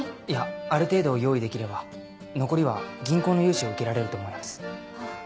いやある程度用意できれば残りは銀行の融資を受けられると思います。